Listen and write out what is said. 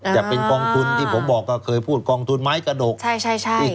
จะเป็นกองทุนที่ผมบอกก็เคยพูดกองทุนไม้กระดก